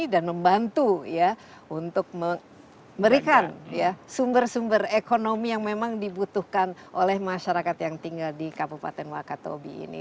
dan membantu ya untuk memberikan sumber sumber ekonomi yang memang dibutuhkan oleh masyarakat yang tinggal di kabupaten wakatobi ini